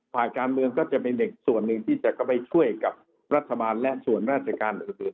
ฝ่ายการเมืองก็จะเป็นเด็กส่วนหนึ่งที่จะเข้าไปช่วยกับรัฐบาลและส่วนราชการอื่น